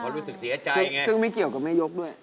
เขารู้สึกเสียใจอย่างนี้นะครับซึ่งไม่เกี่ยวกับแม่ยกด้วย